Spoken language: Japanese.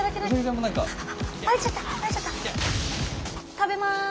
食べます。